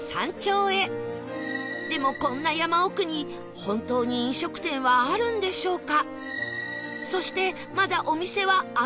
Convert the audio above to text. でもこんな山奥に本当に飲食店はあるんでしょうか？